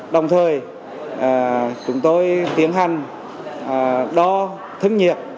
đồng thời chúng tôi tiến hành đo thương nhiệt